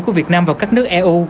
của việt nam vào các nước eu